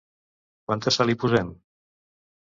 Quanta sal hi posen?